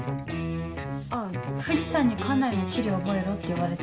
あぁ藤さんに管内の地理覚えろって言われて。